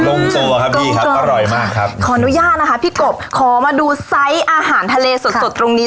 ลงตัวครับพี่ครับอร่อยมากครับขออนุญาตนะคะพี่กบขอมาดูไซส์อาหารทะเลสดสดตรงนี้